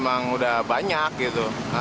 emang udah banyak gitu